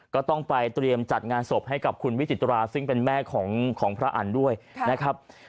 ก็ต้องไปเตรียมจัดงานศพให้กับคุณวิจิตราซึ่งเป็นแม่ของพระอันด้วยนะครับ